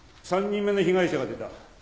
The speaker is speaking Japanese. ３人目の被害者が出た。